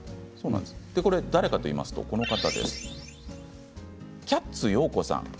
誰かといいますとキャッツ洋子さん。